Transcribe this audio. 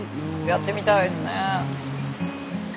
やってみたいですね。